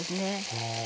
はあ。